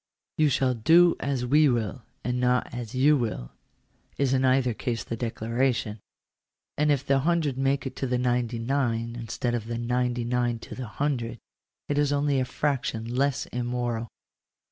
" Tou shall do as we will, and not as you will," is in either case the declaration ; and if the hundred make it to the ninety nine, instead of the ninety nine to the hundred, it is only a fraction less immoral.